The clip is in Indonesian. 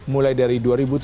mulai dari dua ribu tujuh belas